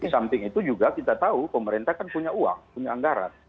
di samping itu juga kita tahu pemerintah kan punya uang punya anggaran